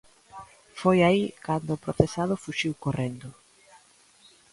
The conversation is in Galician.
Foi aí cando o procesado fuxiu correndo.